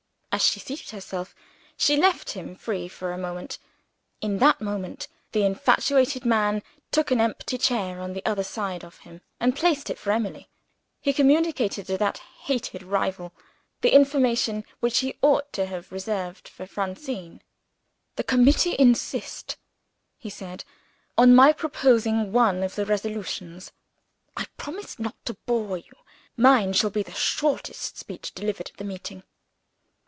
As she seated herself, she left him free for a moment. In that moment, the infatuated man took an empty chair on the other side of him, and placed it for Emily. He communicated to that hated rival the information which he ought to have reserved for Francine. "The committee insist," he said, "on my proposing one of the Resolutions. I promise not to bore you; mine shall be the shortest speech delivered at the meeting."